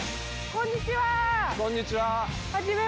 こんにちは。